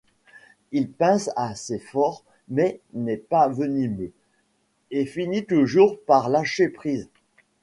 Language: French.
Il pince assez fort mais n’est pas venimeux et finit toujours par lâcher prise.